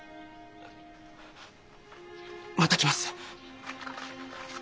また来ます。